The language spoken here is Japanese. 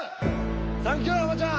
サンキューはまちゃん！